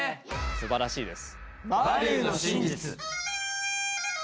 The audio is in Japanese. すばらしいです。